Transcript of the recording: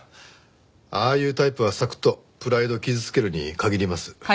ああいうタイプはサクッとプライド傷つけるに限ります。